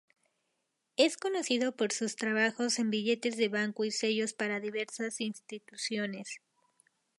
Es conocido por sus trabajos en billetes de banco y sellos para diversas instituciones.